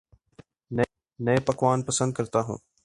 نئے پکوان پسند کرتا ہوں